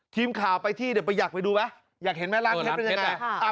ทีมข่าวไปที่เดี๋ยวไปอยากไปดูไหมอยากเห็นไหมร้านเพชรเป็นยังไง